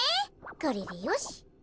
これでよし。